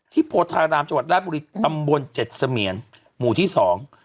โพธารามจังหวัดราชบุรีตำบลเจ็ดเสมียนหมู่ที่สอง